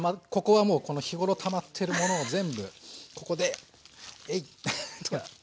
ここはもう日頃たまっているものを全部ここでえいっと。